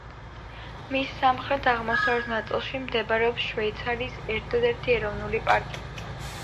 მის სამხრეთ-აღმოსავლეთ ნაწილში მდებარეობს შვეიცარიის ერთადერთი ეროვნული პარკი.